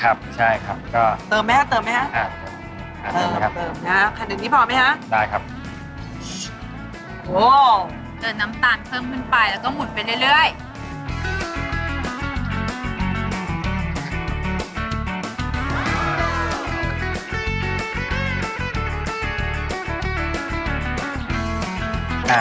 ครับใช่ครับก็เติมไหมฮะเติมไหมฮะอ่า